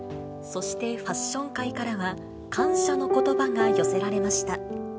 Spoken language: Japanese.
そしてファッション界からは、感謝のことばが寄せられました。